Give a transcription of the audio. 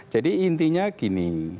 jadi intinya gini